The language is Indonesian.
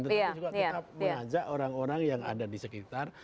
tetapi juga tetap mengajak orang orang yang ada di sekitar